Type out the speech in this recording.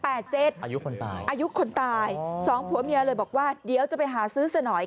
อายุคนตาย๒ผัวเมียเลยบอกว่าเดี๋ยวจะไปหาซื้อเสน่อย